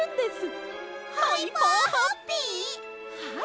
はい！